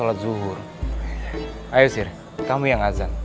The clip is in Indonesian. hancurkan pasukan daniman